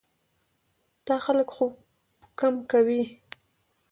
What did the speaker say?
دا خلک خوب کم کوي.